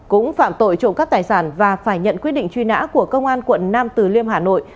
cũng phạm tội trộm cắt tài sản và phải nhận quyết định truy nã của công an quận nam từ liêm hà nội